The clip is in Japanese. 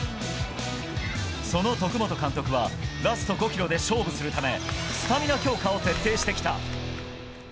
その徳本監督はラスト５ｋｍで勝負するためスタミナ強化を徹底してきた。